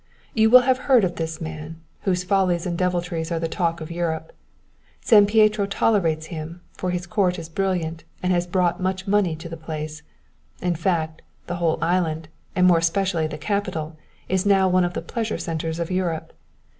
You will have heard of this man, whose follies and deviltries are the talk of Europe. San Pietro tolerates him, for his court is brilliant, and has brought much money to the place; in fact, the whole island, and more especially the capital, is now one of the pleasure centres of Europe.